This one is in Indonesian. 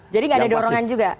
jadi gak ada dorongan juga